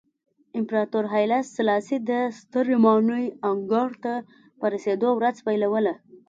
امپراتور هایله سلاسي د سترې ماڼۍ انګړ ته په رسېدو ورځ پیلوله.